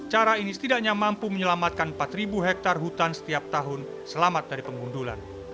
cara ini setidaknya mampu menyelamatkan empat hektare hutan setiap tahun selamat dari pengundulan